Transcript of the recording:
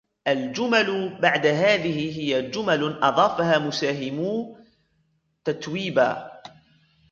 الجمل بعد هذه هي جمل أضافها مساهمو تتويبا.